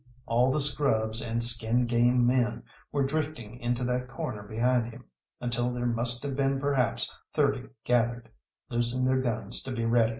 All the scrubs and skin game men were drifting into that corner behind him, until there must have been perhaps thirty gathered, loosing their guns to be ready.